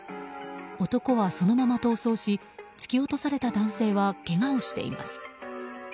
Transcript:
男はそのまま逃走し突き落とされた男性はけがをしています。